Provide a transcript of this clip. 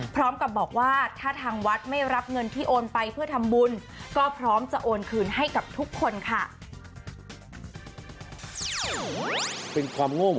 พร้อมกับบอกว่าถ้าทางวัดไม่รับเงินที่โอนไปเพื่อทำบุญก็พร้อมจะโอนคืนให้กับทุกคนค่ะ